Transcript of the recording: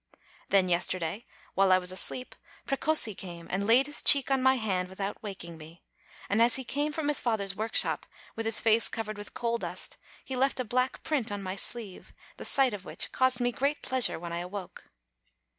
Then, yesterday, while I was asleep, Precossi came and laid his cheek on my hand without waking me; and as he came from his father's workshop, with his face covered with coal dust, he left a black print on my sleeve, the sight of which caused me great pleasure when I awoke.